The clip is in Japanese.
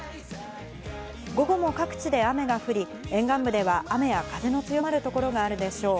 午後も各地で雨が降り、沿岸部では雨や風の強まる所があるでしょう。